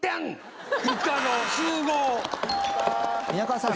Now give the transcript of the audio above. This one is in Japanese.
皆川さん